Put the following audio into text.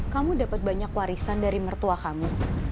kamu dapat banyak warisan dari mertua kamu